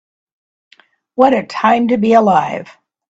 What a time to be alive.